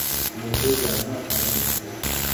مجھے جاننا آسان نہیں ہے